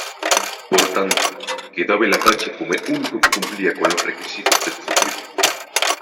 Por tanto, quedaba el Apache como el único que cumplía con los requisitos exigidos.